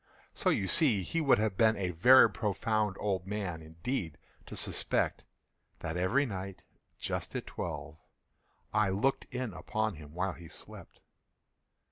So you see he would have been a very profound old man, indeed, to suspect that every night, just at twelve, I looked in upon him while he slept.